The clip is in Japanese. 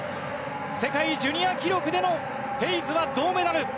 世界ジュニア記録でのヘイズは銅メダル。